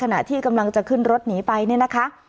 ขณะที่กำลังจะขึ้นรถหนีไปเนี่ยนะคะ